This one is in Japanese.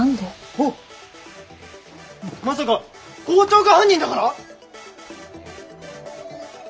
あっまさか校長が犯人だから？